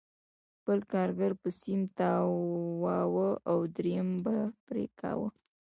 بل کارګر به سیم تاواوه او درېیم به پرې کاوه